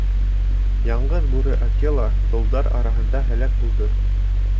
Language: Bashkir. Яңғыҙ Бүре Акела долдар араһында һәләк булды.